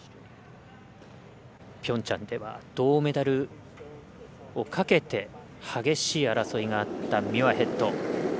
ピョンチャンでは銅メダルをかけて激しい争いがあったミュアヘッド。